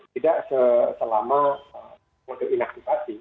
tidak selama mode inaktifasi